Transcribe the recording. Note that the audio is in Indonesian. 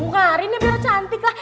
aduh karin ya bero cantik lah